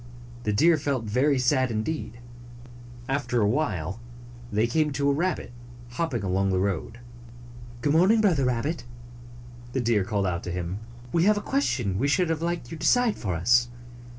The deer felt very sad, indeed. After a while, they came to a rabbit, hopping along the road. "Good morning, Brother Rab bit," the deer called out to him. "We have a question we should like to have you decide for us.